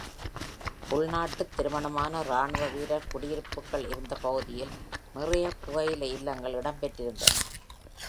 உள்நாட்டு திருமணமான ராணுவ வீரர் குடியிருப்புகள் இருந்த பகுதியில் நிறைய “புகையிலை இல்லங்கள்” இடம் பெற்றிருந்தன.